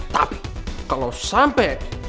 tapi kalau sampai